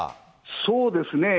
そうですね。